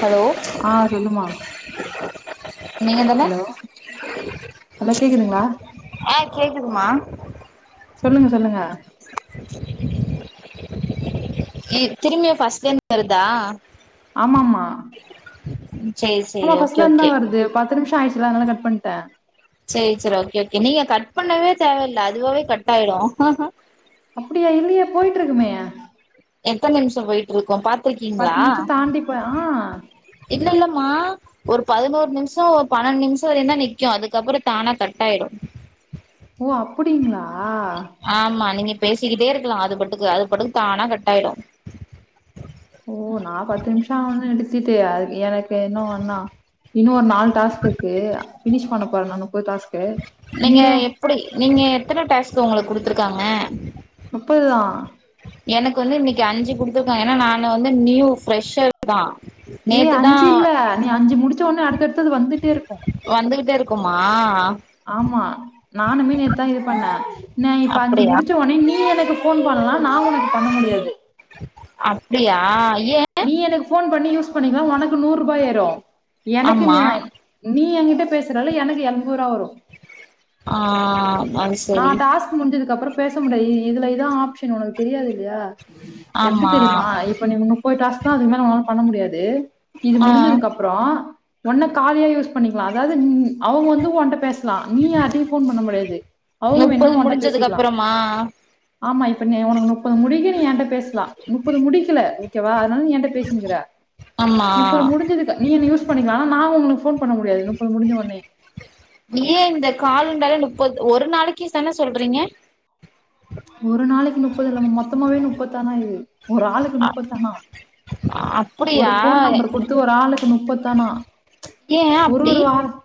Hello ஆ சொல்லுமா நீங்க தான ஹலோ ஹலோ கேக்குதுங்களா ஆ கேக்குதுமா சொல்லுங்க சொல்லுங்க திரும்பிய பஸ்ட்லருந்த வருதா ஆமாமா ம் சேரி சேரி ஆமா ஓகே ஓகே பஸ்ட்லருந்தான் வருது பத்து நிமிஷம் ஆய்ச்சுல அதனால கட் பண்டே சரி சரி ஓகே ஓகே நீங்க கட் பண்ணவே தேவல அதுவவே கட் ஆயிடும் அப்படியா இல்லையே போயிட்டு இருக்குமே எத்த நிமிஷம் போயிட்டு இருக்கும் பார்த் க்கீங்களா பத்து நிமிஷம் தாண்டி போய் ஆ இல்ல இல்லமா ஒரு பதினோரு நிமிஷம் பன்னெண்டு நிமிஷம் வரையும் தான் நிக்கும் அதுக்கப்புறம் தானா கட் ஆயிடும் ஓ அப்படிங்களா ஆமா நீங்க பேசிக்கிட்டே இருக்கலாம் அது போட்டுக்கு அது பாட்டுக்கு தானா கட்டாயிடும் [unintelligible] ஏனு அண்ணா இன்னும் ஒரு நாலு டாஸ்க் இருக்கு ஃபினிஷ் பன்னப் போற நானும் நீங்க எப்டி நீங்க எத்தனை டாஸ்க் உங்குளுக்கு குடுத்துருக்காங்க முப்பதுதா எனக்கு வந்து இன்னிக்கு அஞ்சு குடுத்துருக்காங்க ஏனா நான் வந்து நியூ ஃப்ரெஷர் தான் ஏ அஞ்சு இல்ல நீ அஞ்சு முடிச்ச உடனே அடுத்தடுத்து வந்துட்டே இருக்கும் வந்துகிட்டே இருக்குமா ஆமா நானுமே நேத்து தான் இது பண்ண நா இப்ப அஞ்சு அப்படியா முடிச்ச உடனே நீ எனக்கு ஃபோன் பண்ணலாம் நான் உனக்கு பண்ண முடியாது அப்டியா நீ எனக் போன் பண்ணி யூஸ் பண்ணிக்கலா உனக்கு நூறு ரூபாய் ஏரும் எனக்கு ஆமா நீ வாய் நீ எங்க பேசுறால எனக்கு எம்பது ரூபா வரும் ஆ அது நா சரி டாஸ்க் முஞ்சிதுக்கப்புற பேச முடியாது இ இதுல இதா ஆப்ஷன் உனக்கு தெரியாதில்லியா எப்டி ஆமா தெரியுமா இப்ப நீ நுப்பது டாஸ்க் தா அதுக் மேல பண்ண முடியாது இது ஆ முடிஞ்சதுக் அப்புறோ உன்ன காலியா யூஸ் பண்ணிக்லா அதாவ்து நீ அவுங்க வந்து உன்ட்ட பேச லா ‌ நீ யார்டியு ஃபோன் பண்ண முடியாது அவுங்க வேன்னா முப்பது உன்ட்ட முடிஞ்சதுக்கு பேசிக்லா அப்புறமா ஆமா இப்ப நீ உனுக் நுப்பது முடிக்க நீ என்ட்ட பேசஸ்லா நுப்பது முடிக்கில ஓகேவா அத்னால நீ என்ட்ட பேசினுகிற ஆமா நுப்பது முடிஞ்சதுக்கு நீ என்ன‌ யூஸ் பண்ணிக்கலா நா உங்ளுக் ஃபோன் பண்ண முடியாது நுப்பது முடிஞ்ச ஒட்னே ஏ இந்த காலுண்டால நுப்பத் ஒரு நாளைக்கி தான சொல்றீங்க ஒரு நாளைக்கு நுப்பது இல்லாம மொத்தமாவே நுப்பத்தாமா இது ஒரு ஆளுக்கு நுப்பத்தானா ஒரு அப்படியா ஃபோன் நம்பர் குடுத்து ஒரு ஆளுக்கு நுப்பத்தானா ஏ ச்ச் ஒரு அப்படி ஒரு ஆளுக்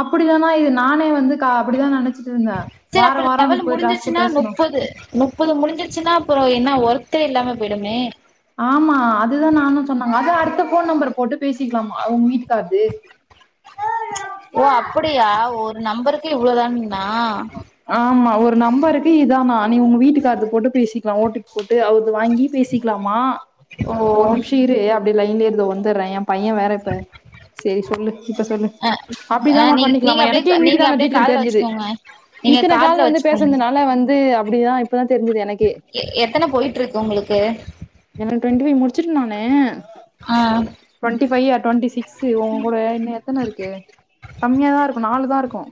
அப்படிதானா இது நானே வந்து க அப்படிதா நெனச் ட்டு இருந்தே சரி வார வாரோ நுப்பது டாஸ்க்கு பேஸ்னோ நுப்பது முடிஞ்சிர்ச்சுன்னா அப்புறோ என்ன ஒருக்கே இல்லாம போய்டுமே ஆமா அதுதா நானு சொன்னங்க அது அடுத்த ஃபோன் நம்பர் போட்டு பேசிக்லாமா உங்க வீட்டுக்கார்து ஓ அப்புடியா ஒரு நம்பருக்கு இவ்ளோ தா னா ஆமா ஒரு நம்பருக்கு இதானா நீ உங்க வீட்டுக்கார்து போட்டு பேசிக்லா ஓடிபி போட்டு அவ்ர்து வாங்கி பேசிக்லாமா ஓ ஒரு நிம்ஷோ இரு அ ப்டே லைன்லே இரு தோ வந்துற்றே எ பைய வேற இப்ப செரி சொல்லு இப்ப சொல்லு அ அ அப்டிதாமா நீ நீங்க பண்ணிக்லாமா அப்டியே எனக்கே நீங்க இன்னிக்குதா அந்த அப்டியே டீட்டெல் காதுல தெர்ஞ்சிது வச்சுக்கோங்க நீங்க இத்தன கால் காதுல வந்து வச்சுக்கோங்க பேசந்துனால வந்து அப்புடிதா இ ப்பா தெர்ஞ்சிது எனக்கே எ எத்தன போயிட்ருக்கு உங்களுக்கு எனக் ட்வெண்டி முடிச்சி இன்னொன்னு ஆ ட்வெண்டி ஃபையி அ டொண்டி சி சி உங் கூட இன்னு எத்தன இருக்கு கம்மியா தா இருக்கு நாலு தா இருக்கோ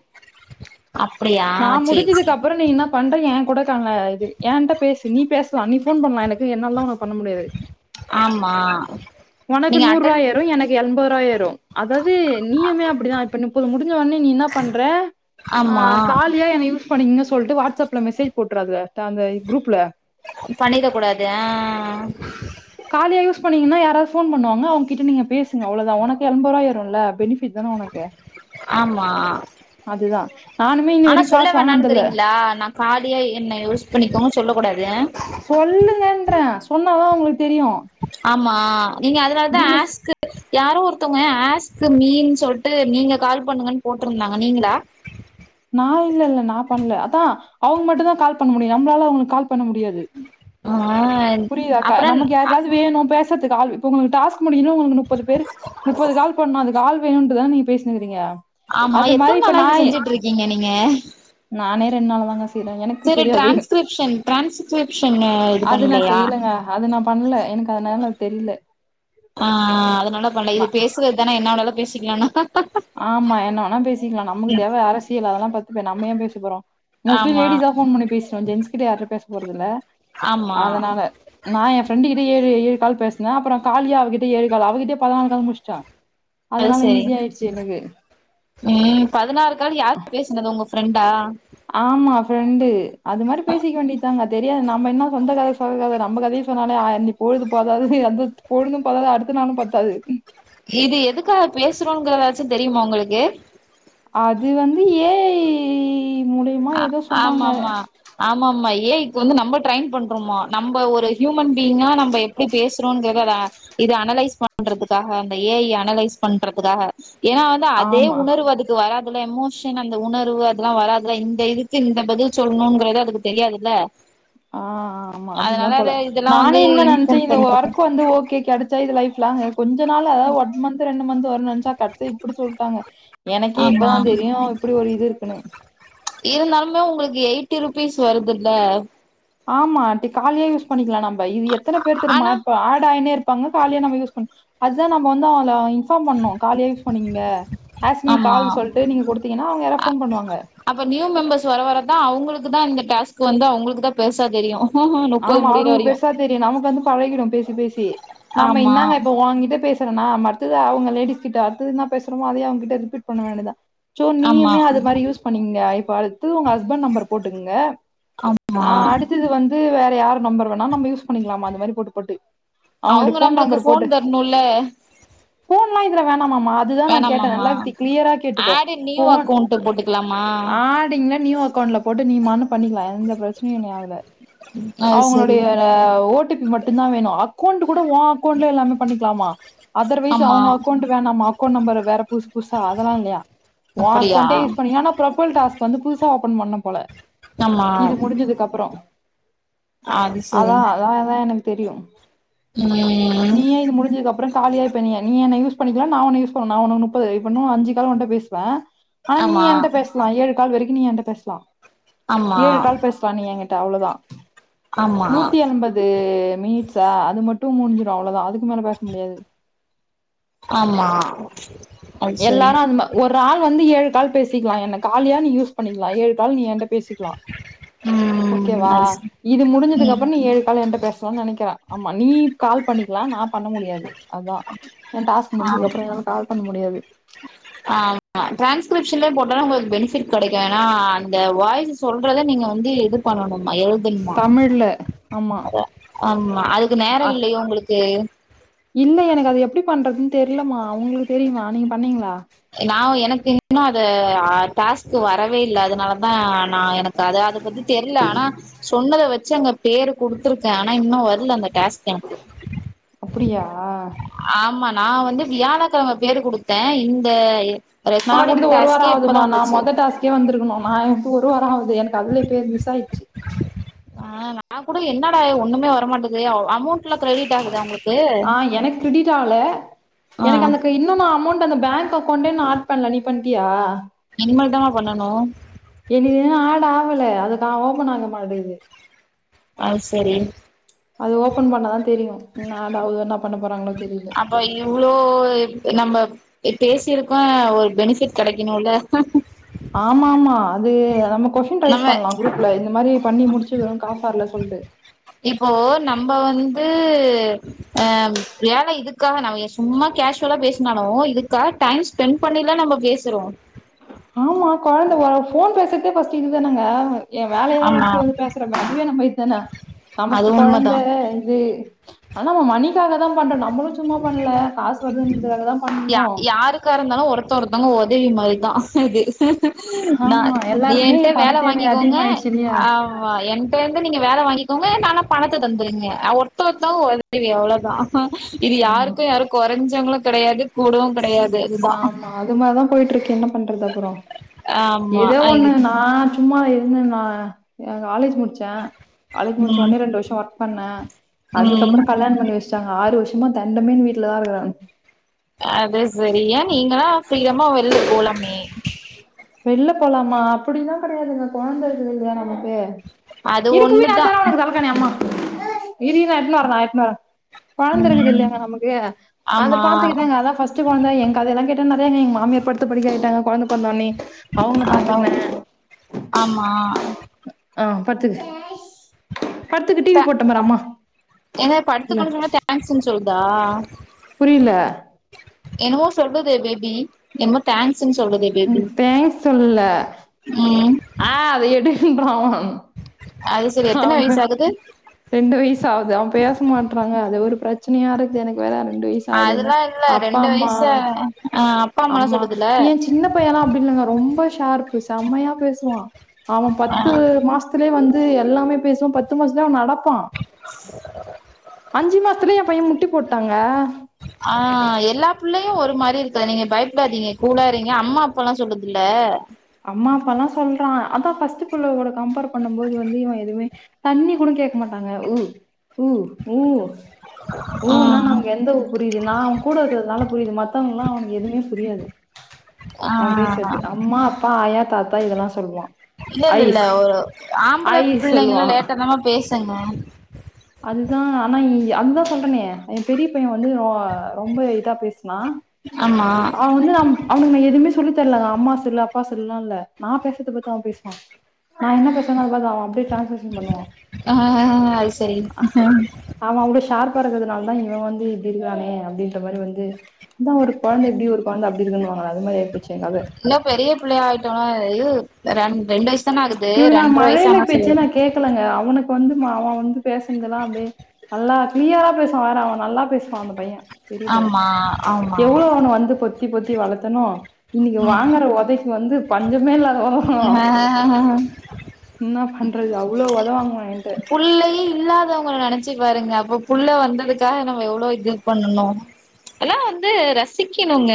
அப்டியா நா சேரி சேரி முடிச்சதுக்கப்புறோ நீ இன்னா பண்ற ஏங்கூட [unintelligible] ஏன்ட்ட பேசு நீ பேஸ்லா நீ ஃபோன் பண்லா எனக்கு என்னால் தா உனுக் ஆமா உனக்கு நீங்க நூறு ரூவா அட்டன் ஏரு எனக்கு எண்பது ரூவா ஏரு அதாவது நீயமே அப்படிதா இப்ப நுப்பது முடி இங்க வந்து நீ இன்னா பண்ற ஆ ஆமா காலியா என யூஷ் ப நீங்க சொல்ட்டு வாட்ஸ்அப்ல மெசேஜ் போட்றதா தாஅந்த குரூப்ல பண்ணிக்க கூடாது ஆ பண்ணிங்கான யாராவ் போன் பண்ணுவாங்க அவங்கிட்ட நீங்க பேசுங்க அவ்ளதா உக்கு எண்பதுரூவா எரும்ல பெனி த்தான ஒனக்கு ஆமா அதுதா நானுமே இன்ன ஆனா வரைக்கு சொல்ல காசு வாங்குனதில்ல வேணாம்னுங்கிறீங்களா நா காலியா என்ன யூஸ் பண்ணிக்கோங்கன்னு சொல்லக் கூடாது சொல்லுங்கன்றே சொன்னாதா உங்களுக்கு தெரியு ஆமா நீங்க அதனாலதா நீங்க ஆஸ்க்கு யாரோ ஒருத்தங்க ஆஸ்கு மீ சொல்லிட்டு நீங்க கால் பண்ணுங்கன்னு போட்டிருந்தாங்க நீங்களா நா இல்ல இல்ல நா பண்ணல அதா அவங்க மட்டுந்தா கால் பண்ண முடியு நம்மளால அவங்களுக்கு கால் பண்ண முடியாது ஆ புரியுதாக்கா அப்பனா நமக்கு யாருக்காவது வேணு பேசத் கால் இப்போ உங்களுக்கு முப்பது பேர் முப்பது கால் பண்ணா அதுக்கு ஆள் வேணுண்டுதான நீங்க பேசினுருக்கிங்க ஆமா அது மாரி எத்தன இப்ப நாளா இத நாய் செஞ்சுட்டு இருக்கீங்க நீங்க நானே ரெண்டு நாளாதாங்க செய்யறே எனக்கு சரி தெரியாது டிரான்ஸ்கிரிப்ஷன் டிரான்ஸ்கிரிப்ஷன் இது அது நா பண்ணலையா செய்யலைங்க அது நா பண்ணல எனக்கு அதனால தெரியல ஆ அதனால்ல பண்ணல ந இது பேசுறது தானே என்ன வேணாலு பேசிக்கலான்னா ஆமா என்ன வேன்னா பேசிக்கலா நமக்கு ம் தேவ அரசியல் அதெல்லா பத்து நம்ம ஏ பேச போறோ மோஸ்லி ஆமா லேடிஸ் தா போன் பண்ணி பேசுறோ ஜென்டஸ் கிட்ட யாருட்ட பேச போறதுல்ல ஆமா அதனால நா ஏ ஃப்ரெண்ட்டு கிட் ஏ ஏல் கால் பேசினே அப்பற காலியா அவகிட்ட ஏலு கால் அவகிட்டே பதினாலு கால் முடிச்சிட்ட அது அதனால சரி ஈஸி ஆய்டுச் ம் பதினாறுக்கால் யார் பேசினதோ உங்க ஃப்ரெண்டா ஆமா ஃப்ரெண்டு அது மாரி பேசிக்க வேண்டியதாங்க தெரியாது நம்ம என்ன சொந்த கத சோக கத நம்ம கதைய சொன்னாலே ஆ நீ பொழுது போதாது அந்த பொழுதும் போதாது அடுத்த நாளும் பத்தாது இது எதுக்காக பேசுறோங்கறதாச்சு தெரியுமா உங்களுக்கு அது வந்து ஏ ஐ ஆ ஆமாமா ஆமாமா ஏ ஐ இ வந்து நம்ம ட்ரெயின் பண்றோமா நம்ம ஒரு ஹியூமன் பீயிங்கா நம்ம எப்டி பேசுறோங்கறத அத இது அனலைஸ் பண்றதுக்காக இந்த ஏ ஐ அனலைஸ் பண்றதுக்காக ஏனா வந்து அதே ஆமா. உணர்வு அதுக்கு வரா இதுல எமோஷன் அந்த உணர்வு அதெல்லா வராது இதுல இந்த இதுக்கு இந்த பதில் சொல்லணும்ங்கிறது அதுக்கு தெரியாதுல்ல ஆ ஆமா அதுதா அதனால அத போல இதெல்லா நானே வந்து இன்னு நினைச்ச இன்ஃபார்ம் இந்த பண்றது ஒர்க் வந்து ஓகே கிடைச்சா இது லைப் லாங் கொஞ்ச நாளா ஒன் மன்த் ரெண் மந் வரனு நெனச் சா கடைசி இப்டி சொல்ட்டாங்க எனக்கே ஆமா இப்பதான் தெரியு இப்டி ஒரு இது இருக்குனு இருந்தாலுமே உங்களுக்கு எயிட்டி ருபீஸ் வருதுல்ல ஆமா டி காலியா யூஸ் பண்ணிக்கலா நாம் வ இது எத்தன பேரு தெரியுமா ஆனா இப்ப ஏடாய்ன்னே இருப்பாங்க காலியா நம்ம யூஸ் பண்ணு அதா நம்ம வந்து அதுல ஆய் இன்ஃபார்ம் பண்ணு காலியா யூஸ் பண்ணிக்கங்க அஸ் மீ ஆமா கால் சொல்டு நீங்க குடுத்தீங்கன்னா அவுங்க யாரா போன் பண்ணுவாங்க அப்ப நியூ மெம்பர்ஸ் வர வரதா அவங்களுக்கு தா இந்த டாஸ்க் வந்து அவுங்களுக்குதா பெருசா தெரியு முப்பது ஆமா முடியிற அவுங்களுக்கு வரையு பெருசா தெரியு நமக்கு வந்து பழகிடு பேசி பேசி நம்ம ஆமா இன்னாங்க இப்ப ஓங்கிட்ட பேசி க்கிறனா மத்தத அவுங்க லேடிஸ் கிட்ட அடுத்தது என்ன பேசறமோ அதயே அவங்கிட்ட ரிப்பீட் பண்ண வேண்டியதுதா சோ ஆமா நீயுமே அது மாரி யூஸ் பண்ணிக்கங்க இப்ப அடுத்து உங்க ஹஸ்பண்ட் நம்பர் போட்டுக்கங்க ஆமா து வேற யாரு நம்பர் வேணா நம்ம யூஸ் பண்ணிக்கலாமா அந்த மாரி போட்டு போட்டு அவங்களுடைய அவுங்க ஃபோன் நம்பர் நம்மளுக்கு போன் தரணுல்ல போன்ல்லா இதுல வேண் ஆமாமா அதுதா நா கேட்ட வேணாமாமா நல்லா தி கிளியரா கேட்டுக்கோ add in new phone account போட்டுக்கலாமா ஆடிங்ல நியூ அக்கௌண்ட்ல போட்டு நீ மனு பண்ணிக்கலா எந்த பிரச்சனையு இனி ஆகுல அது சரி அவுங்களுடைய ஓ டி பி மட்டு டுதா வேணு அக்கௌண்ட் கூட உன் அக்கௌண்ட்ல எல்லாமே பண்ணிக்கலாமா அதர்வைஸ் ஆமா அவுங்க அக்கௌண்ட் வேணாமா அக்கௌன்ட் நம்பர் வேற புதுசு புதுசா அதெல்லா இல்லையா உன் அப்படியா அக்கௌன்டே யூஸ் பண்ணிக்கலா ஆனா ப்ரோபைல் டாஸ்க் வந்து புது சா ஓப்பன் பண்ணும்போல ஆமா இது முடிஞ்சதுக்கு அப்புறோ அது அதா அதா அதா எனக் தெரியூ உம் அப்றொ காலியார்ப்ப நீ நீ என்னை யூ பண்ணிக்லா நா ஒன்ன யூ பண்ணு நா ஒன்ன முப்பது இப்ப இண்ணு அஞ்சு கால் ஒண்ட்ட பேசுவே ஆனா நீ ஆமா என்ட்ட பேசலா ஏழு கால் வரைக்கு நீ என்ட்ட பேசலா ஆமா ஏழு கால் பேசலா நீ எங்கிட் அவ்ளொதா ஆமா நூத்தி எண்பது மினிட்ஸா அது மட் டு முடிஞ்சிடு அவ்ளோதா அதுக்கு மேல பேச முடியாது ஆமா அது சரி ராள் வந்து ஏழு கால் பேசிக்லா என்ன காலியா நீ யூஸ் பண்ணிக்லா ஏழு கால் நீ என்ட பேசிக் லா ம் ஓகேவா அது சரி இது ம் முடிஞ்சதுக்கப்றொ நீ ஏழு காலு ஏன்ட்ட பேசலான் நினைக்கிற ஆமா நீ கால் பண்ணிக்லா நா பண்ண முடியாது அதா ஏ டாஸ்க் முடிஞ்சதுக்கப்றோ என்னால கால் பண்ண முடியாது ஆமா டிரான்ஸ்கிரிப்ஷன்லே போட்டாலு உங்களுக்கு பெனிபிட் கெடைக்கு ஏனா அந்த வாய்ஸ்ஸு சொல்றத நீங்க வந்து இது பண்ணணு எழுதண்மா தமிழ்ல ஆமா அத ஆமா அதுக்கு நேரொ அ, இல்லயோ உங்களுக்கு இல்ல எனக்கு அது எப்டி பண்றதுன் தெர்லம்மா உங்களுக்கு தெரியுமா நீங்க பண்ணெங்ளா நாவ் எனக்கு என்னனா து ஆ டாஸ்க்கு வரவே இல்ல அதனாலதா நா எனக்கு அத அத பத்தி தெரியல ஆனா சொன்னத வெச்சி அங்க பேரு குடுத்துருக்கே ஆனா இன்னு வர்லந்த டேஸ்க் எனக்கு அப்படியா ஆமா நா வந்து வியாழக் கெழம பேரு குடுத்தே இந் [unintelligible] நாங்குடுத்து ஒரு வாரோ ஆகுதுமா இப்பதா நா வந்துச்சு மொத டாஸ்க்கே வந்ருக்கணு நா டு ஒரு வாரோ ஆவுது எனக்கு அதுலே பேர் மிஸ் ஆய்ர்ச்சி ஆஹ் நா கூட என்னடா ஒண்ணுமே வரமாட்டதே ஆஹ் எனக்கு க்ரிடிட் ஆல ஆ எனக்கு அந்தக்கு இன்னு நா அமௌண்ட் அந்த பேங்க் அக் கொண்டே நா ஆட் பண்ல நீ பண்ட்டியா மா இதாமா பண்ணணூ னு ஆட் ஆவல அதுக்கா ஓபன் ஆக மாட்டெகுது ஆஹ் செரி அது ஓபன் பண்ணா தாத் தெரியு நா டாவ்து என்னப் பண்ண போறாங்ளோ அப்போ இவ்ளோ இப் நம்ப இப் பேசி இருக்கோ ஒரு பெனிஃபிட் கெடைக்குணோல ஆமா ஆமா அத் து நம்ம கொஸ்டின் ரைஸ் நம்ம பண்லா குரூப்ல இந்த மாரி பண்ணி முடிச்சுகுறோ காஸ் வர்ல சொல்ட்டு து ஆ வேல இதுக்காக நம்ம எ சும்மா கேஸ்சுவலா பேசினாலோ இதுக்காக டைம் ஸ்பெண் பண்ணில நம்மோ பேசுறோ ஆமா கொழந்த ஓ ஃபோன் பேசுத்தே ஃபர்ஸ்ட்டு இதுதானங்க எ வேலை எல்லா ஆமா விட்டுட்டு வந்து பேசுறமே அதுவே நம்ம இது தானே அது நமக்கு கொழந்த உண்மதா இது ஆ நம்ம மணிக்காகதா பண்டோ நம்மளு சு சும்மா பண்ல காசு வர்துன் யா யாருக்கா இருந்தாலு ஒருத்த ஒரு தங்க ஒதவி மாரிதா ஆமா நான் எல்லாருக்குமே ஏன்ட்ட பண வேல தேவை வாங்கிக்கோங்க அதிகமாயிடுச்சு இல்லையா ஆவ்வாய் என்ட்ட இந்து நீங்க வேல வாங்கி [unintelligible] பணத்த தந்துரீங்க ஆ ஒர்த்தௌ ஒர்த்தௌ ஆ உதவி அவ்ளோதா ஆ இது ஆமா யாருக்கு யாரு குறஞ்சவுங்களு கெடையாது கூடவு கெடையாது ஆமா அது மாரிதா போயிட்டுருக்கு என்ன பண்றது அப்புறோ ஆமா ஏதோ ஒன்னு நா சும்மா இ ம் நா எ காலேஜ் முட்ச்சே காலேஜ் ம் முட்ச்சோனே ரெண்டு வர்ஷோ ஒ பண்ணே ம் அதுக்கப்பற கல்யாண பண்ணி வெச்சாங்க ஆறு வ சும்மா தண்டமேனு வீட்லதா இருக்கற நானு அதேர்ஸ் செரிய நீங்கல்லா ஃப்ரீடமா வெள்ல போலாமே வெள்ல போலாமா அப்பிடிலா கெடையாதுங்க கொழந்த இருக்குது இது வேணாமா பே அது இருப்புவி நா ஒண்ணுதா தர உனக்கு தலகாணி அம்மா இரு இரு நா எட்னுவரே நா எட்னுவரே கொழந்த இருக்குது ம் இல்லியாங்க நமக்கு அத ஆமா பாத்துக்கிட்டாங்க அதா ஃபர்ஸ்ட் கொழந்த ஏ கதயெல்லா கே ட நெறையங்க எங் மாமியார் படுத்த படுக்கையா ஆயிட்டாங்க கொழந்த பொறந்தொனே [unintelligible] ஆமா ஆ பத்துக் தே ஏங்க இல்ல பட்த்துக்கோணு சொன்னா தேங்க்ஸ்ன் சொல்தா புரில என்னுமோ சொல்லுதே பேபி என்மோ தேங் ம் தேங்க்ஸ் சொல்ல ஒ ம் ஆ அத எடு அது சரி [unintelligible] எத்தன ஆம வயசு ஆகுது ரெண்டு வய்சாவ்து அவ பேச மாட்றாங்கா அது ஒரு பிர ச்சனையாருகுது எனுக் வேற அது அதுல்லா இல்ல ரெண்டு வய்சு ஆ அ அம்மா ஏ சின்ன பையல்லா அப்டியில்லங்க ரொ ம்ப ஷார்ப்பு செம்மையா பேசுவா அவ பத்து மாஸ்திலியே வ து எல்லாமே பேசுவா பத்து மாசத்லே அவ நட ப்பா அஞ்சு மாசத்திலியே பைய முட்டி போட்டாங்க புள்ளயு ஒரு மாரி இருக்கற நீங்க பயப்படாதீங்க கூலா இரிங்க அம்மா அப்பால்லா சொல்லுதில்ல அம்மா அப்பால்லா சொல்றா அதா ஃபஸ்ட் பிள்ளகூட கம்பேர் பண்ணும் போது வந்து இவ எதுமே தண்ணி கூட கேக் மாட்டாங்க உ உ உ ஆ ஊனா நம்க்கு எந்த ஊ புரிது நா அவுங்கூட இருக்கறதுனால புரிது மத்தவங்ல்லா அவுனு எதுமே புரியாது அவ ஆ பேசறது அம்மா யா தாத்தா இதெல்லா சொல்வா இல்லல்லல்ல ஒரு ஆம்பள ஐஸ் பிள்ளைங்கள்லா சொல்லுவான். லேட்டாதாமா பேஸ் [unintelligible] அதுதா ஆனா இ அதுதா சொல்றனே ஏ பெரிய பைய வந்து ஒ ரொம்ப இதா பேசுனா ஆமா அவ வந்து நம் அவுனுக் நா எதுமே ஸ் சொல்லித்தர்லகா அம்மா சொல்லு அப்பா சொல்லால்ல நா பேசறத பாத்து அவ பேசுவா நா என்ன பேசுவனோ அத பாத்து அவ அப்டே டிரேன் ஐஸ் செரி க்கறதுதுனால்தா இவ வந்து இப்டி இருக்கறானே அப்டின்ற மாரி வந்து அதா ஒரு கொழந்த இப்டி ஒரு கொழந்த அ ப்டிருங்குன்னுவாங்களே அது மாரி ஆயிபோச்சி இன்னு பெரிய பிள்ளையா ஆயிட்டோனா ரண் ரெண்டு ஐஸ் இவனுக்கு மழயிலை பேச்சே நா கேக்கலங்க அவனுக் வந்து மா அவெ வந்து பேஸ்னதெல்லா அப்டியே நல்லா க்ளியரா பேசுவா வேற அவெ நல்லா பேசுவா அந்த பையே பெரிய பையே ஆமா ஆமா எவ்ளோ அவனு வந்து பொத் த்தி பொத்தி வளத்தனோ இன்னைக்கு ம் வாங்கற ஒதைக் வந்து பஞ்சமே இல்ல ஆ என்ன பண்றது அவ்வளோ ஒதவாங்குவா என்ட்ட புள்ளையே இல்லாதவங்கள நெனச்சு பாருங்க அப்ப புள்ள வந்ததுக்காக நம்ம எவ்ளோ இது பண்ணுணோ அதலா வந்து ரசிக்கணுங்க